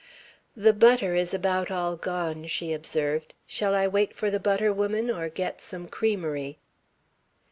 "The butter is about all gone," she observed. "Shall I wait for the butter woman or get some creamery?"